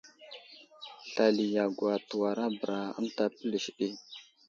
Slali yagwa təwarabəra ənta pəlis ɗi.